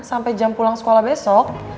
sampai jam pulang sekolah besok